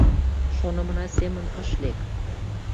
Шонымына семын ыш лек.